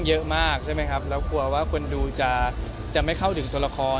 เยอะมากใช่ไหมครับแล้วกลัวว่าคนดูจะไม่เข้าถึงตัวละคร